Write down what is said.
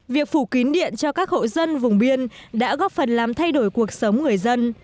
việc phủ kín điện cho các hộ dân vùng biên đã góp phần làm thay đổi cuộc sống người dân